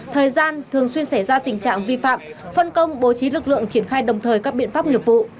thời gian thường xuyên xảy ra tình trạng vi phạm phân công bố trí lực lượng triển khai đồng thời các biện pháp nghiệp vụ